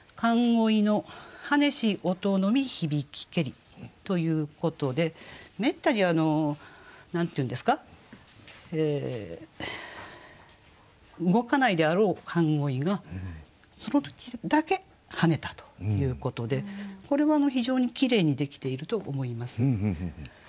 「寒鯉の跳ねし音のみ響きけり」ということでめったに何と言うんですか動かないであろう寒鯉がその時だけ跳ねたということでこれは非常にきれいにできていると思います。